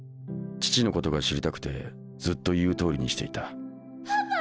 父のことが知りたくてずっと言うとおりにしていた。